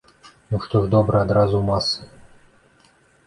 Ну, што ж, добра, адразу ў масы.